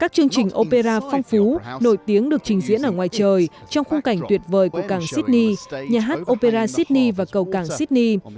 các chương trình opera phong phú nổi tiếng được trình diễn ở ngoài trời trong khung cảnh tuyệt vời của cảng sydney nhà hát opera sydney và cầu cảng sydney